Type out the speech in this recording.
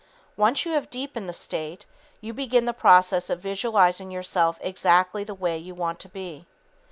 Once you have deepened the state, you begin the process of visualizing yourself exactly the way you want to be.